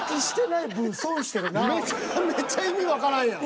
めちゃめちゃ意味わからんやん。